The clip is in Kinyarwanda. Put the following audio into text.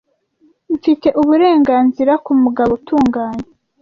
mfite uburenganzira ku mugabo utunganye